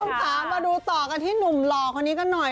ต้องถามมาดูต่อกันที่หนุ่มหล่อคนนี้กันหน่อย